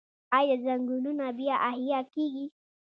آیا ځنګلونه بیا احیا کیږي؟